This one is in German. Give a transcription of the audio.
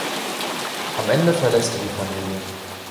Am Ende verlässt er die Familie.